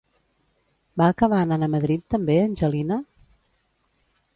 Va acabar anant a Madrid, també, Angelina?